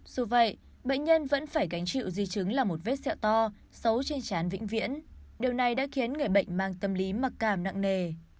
dù vậy bệnh nhân vẫn phải gánh chịu di chứng là một vết sẹo to xấu trên chán vĩnh viễn điều này đã khiến người bệnh mang tâm lý mặc cảm nặng nề